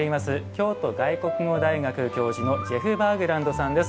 京都外国語大学教授のジェフ・バーグランドさんです。